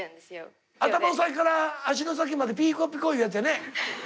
頭の先から足の先までピーコピコいうやつやね。